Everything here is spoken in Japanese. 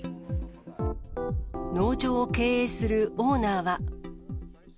農場を経営するオーナーは。